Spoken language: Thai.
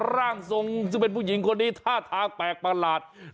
ร่างทรงซึ่งเป็นผู้หญิงคนนี้ท่าทางแปลกประหลาด